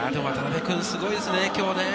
でも渡辺君、すごいですね、今日。